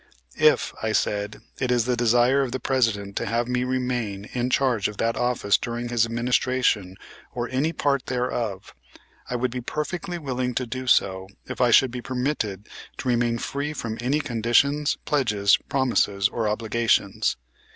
"If," I said, "it is the desire of the President to have me remain in charge of that office during his administration or any part thereof, I would be perfectly willing to do so if I should be permitted to remain free from any conditions, pledges, promises or obligations.